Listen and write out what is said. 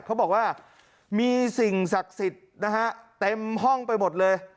เขาบอกว่ามีสิ่งศักดิ์สิทธิ์นะฮะเต็มห้องไปหมดเลย